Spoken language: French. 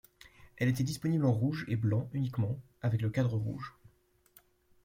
Elle était disponible en rouge et blanc uniquement, avec le cadre rouge.